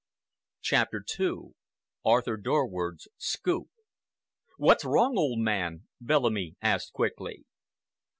CHAPTER II ARTHUR DORWARD'S "SCOOP" "What's wrong, old man?" Bellamy asked quickly.